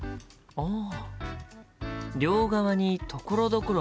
ああ。